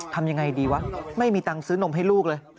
ทำยังไงดีวะไม่มีตังค์ซื้อนมให้ลูกเลย